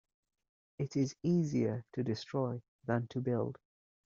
It is easier to destroy than to build.